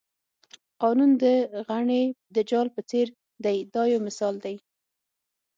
قانون د غڼې د جال په څېر دی دا یو مثال دی.